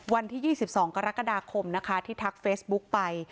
วันที่๒๒กรกฎาคมนะคะที่ทักเฟซบุ๊กไป